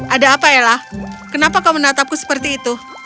ada apa yalah kenapa kau menatapku seperti itu